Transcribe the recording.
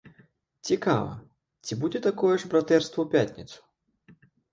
Цікава, ці будзе такое ж братэрства ў пятніцу?